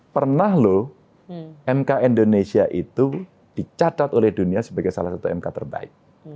pernah loh mk indonesia itu dicatat oleh dunia sebagai salah satu mk terbaik